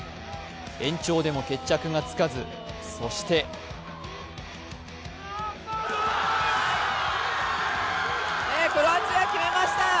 延長でも決着がつかずそしてクロアチア決めました。